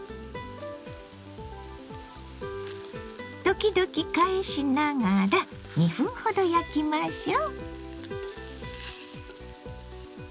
時々返しながら２分ほど焼きましょう。